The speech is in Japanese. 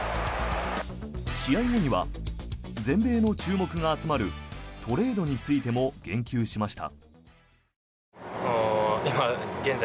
試合後には全米の注目が集まるトレードについても言及しました。